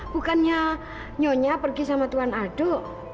bukannya nyonya pergi sama tuan adu